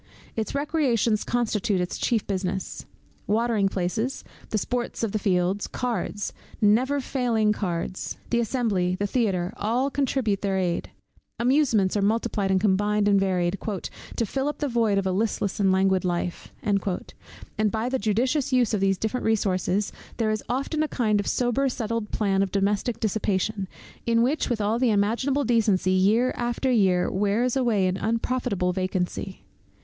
Its recreations constitute its chief business. Watering places the sports of the field cards! never failing cards! the assembly the theatre all contribute their aid amusements are multiplied, and combined, and varied, "to fill up the void of a listless and languid life;" and by the judicious use of these different resources, there is often a kind of sober settled plan of domestic dissipation, in which with all imaginable decency year after year wears away in unprofitable vacancy.